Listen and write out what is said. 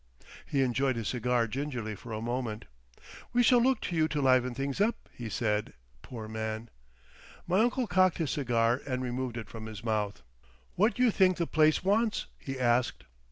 He enjoyed his cigar gingerly for a moment. "We shall look to you to liven things up," he said, poor man! My uncle cocked his cigar and removed it from his mouth. "What you think the place wants?" he asked.